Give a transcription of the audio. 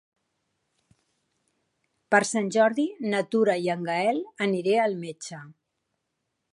Per Sant Jordi na Tura i en Gaël aniré al metge.